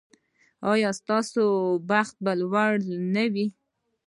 ایا ستاسو بخت به لوړ نه وي؟